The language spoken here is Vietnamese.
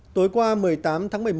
tối qua một mươi tám tháng một mươi một